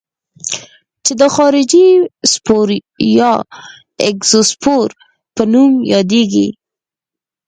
چې د خارجي سپور یا اګزوسپور په نوم یادیږي.